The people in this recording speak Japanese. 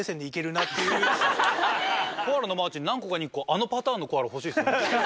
コアラのマーチ何個かに１個あのパターン欲しいっすね。